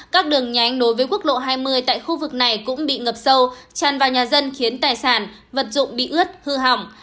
các đường nhánh nối với quốc lộ hai mươi tại khu vực này cũng bị ngập sâu tràn vào nhà dân khiến tài sản vật dụng bị ướt hư hỏng